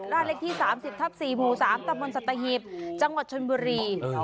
ราชินิกที่๓๐๔หมู่๓ตำบลสัตตาฮีบจังหวัดชนบุรี